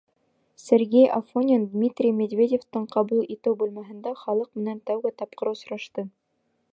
Сергей Афонин Дмитрий Медведевтың ҡабул итеү бүлмәһендә халыҡ менән тәүге тапҡыр осрашты.